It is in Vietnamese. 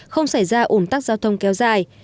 không xảy ra ổn tắc giao thông kéo dài